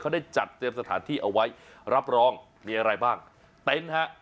เขาได้จัดเตรียมสถานที่เอาไว้รับรองมีอะไรบ้างเต็นต์ฮะ